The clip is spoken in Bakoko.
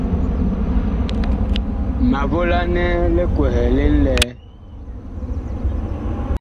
Ma volanɛ li kwɛhɛ li ŋlɛɛ.